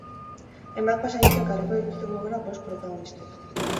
Hainbat pasadizo ekarriko dituzte gogora bost protagonistek.